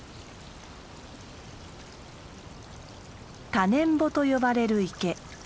「タネンボ」と呼ばれる池。